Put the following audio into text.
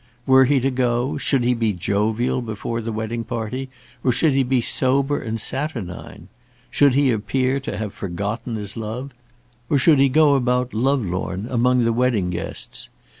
Were he to go, should he be jovial before the wedding party or should he be sober and saturnine? Should he appear to have forgotten his love, or should he go about lovelorn among the wedding guests?